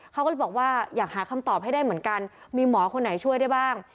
เขาก็เลยบอกว่าอยากหาคำตอบให้ได้เหมือนกันมีหมอคนไหนช่วยได้บ้าง